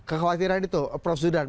kekhawatiran itu prof zudan